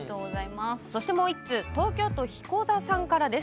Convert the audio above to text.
もう１通、東京都の方からです。